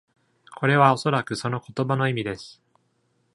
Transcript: これはおそらくその言葉の意味です。